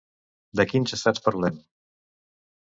De quins estats parlem?